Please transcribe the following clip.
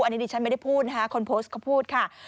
อันนี้ดิฉันไม่ได้พูดนะคะคนโพสต์เขาพูดค่ะ